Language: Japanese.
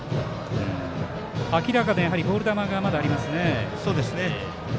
明らかにボール球がありますね。